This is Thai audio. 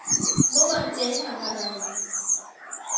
เมื่อวานเจ๊ทานอะไร